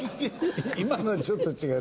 今のはちょっと違う。